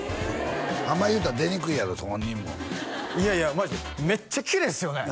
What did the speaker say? あんま言うたら出にくいやろ本人もいやいやマジでめっちゃきれいっすよね！